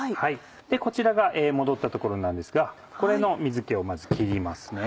こちらが戻ったところなんですがこれの水気をまず切りますね。